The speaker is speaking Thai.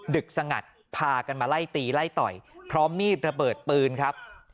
ึกสงัดพากันมาไล่ตีไล่ต่อยพร้อมมีดระเบิดปืนครับ